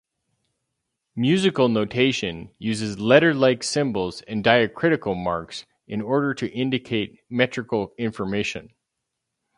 Musical notation uses letter-like symbols and diacritical marks in order to indicate metrical information.